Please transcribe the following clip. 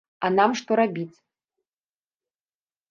А нам што рабіць?